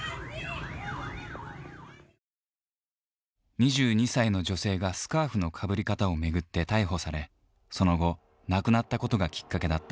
２２歳の女性がスカーフのかぶり方を巡って逮捕されその後亡くなったことがきっかけだった。